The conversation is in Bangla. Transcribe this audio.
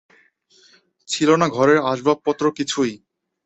ছিল না ঘরের আসবাবপত্র কিছুই।